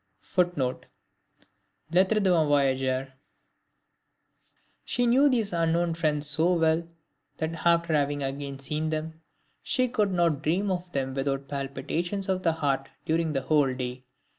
[Footnote: LETTRES D'UN VOYAGEUR] She knew these unknown friends so well that after having again seen them, "she could not dream of them without palpitations of the heart during the whole day."